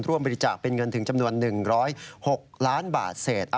ร่วมบริจาคเป็นเงินถึงจำนวน๑๐๖ล้านบาทเศษ